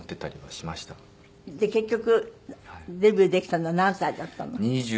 で結局デビューできたのは何歳だったの？